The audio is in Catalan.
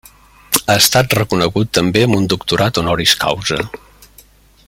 Ha estat reconegut també amb un doctorat honoris causa.